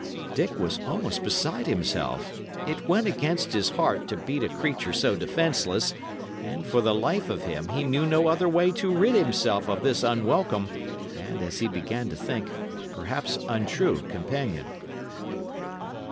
Dick was almost beside himself. It went against his heart to beat a creature so defenceless; and, for the life of him, he knew no other way to rid himself of this unwelcome and, as he began to think, perhaps untrue companion.